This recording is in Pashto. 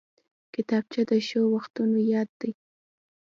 کتابچه د ښو وختونو یاد دی